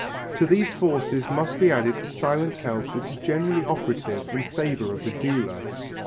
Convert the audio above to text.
To these forces must be added the silent help that is generally operative in favour of the dealer.